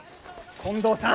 近藤さん！